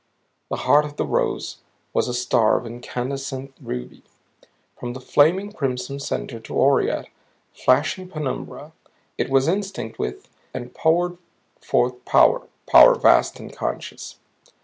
The heart of the rose was a star of incandescent ruby. From the flaming crimson center to aureate, flashing penumbra it was instinct with and poured forth power power vast and conscious.